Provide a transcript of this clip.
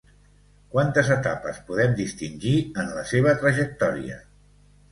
Quantes etapes podem distingir en la seva trajectòria?